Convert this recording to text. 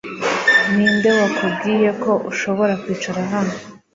Ninde wakubwiye ko ushobora kwicara hano